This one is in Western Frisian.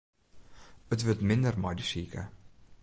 It wurdt minder mei de sike.